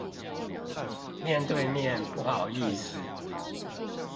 面對面不好意思